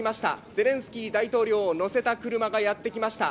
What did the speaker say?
ゼレンスキー大統領を乗せた車がやって来ました。